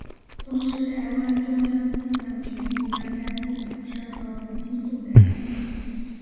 同时台湾中央气象局亦将该系统升格为轻度台风。